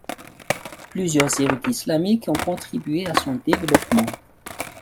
Plusieurs érudits islamiques ont contribué à son développement.